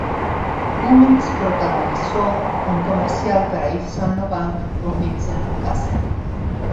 Cummings protagonizó un comercial para Yves Saint Laurent con Vincent Cassel.